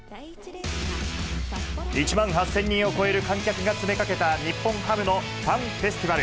１万８０００人を超える観客が詰めかけた日本ハムのファンフェスティバル。